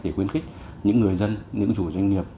để khuyến khích những người dân những chủ doanh nghiệp